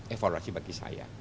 evaluasi bagi saya